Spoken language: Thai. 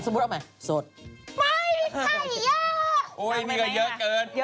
สวัสดีค่าข้าวใส่ไข่